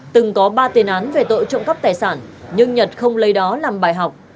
từng có ba tiền án về tội trộm cắp tài sản nhưng nhật không lấy đó làm bài học